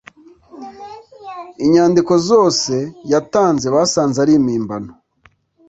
Inyandiko zose yatanze basanze ari impimbano